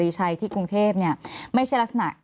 มีความรู้สึกว่ามีความรู้สึกว่า